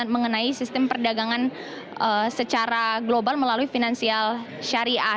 mengenai sistem perdagangan secara global melalui finansial syariah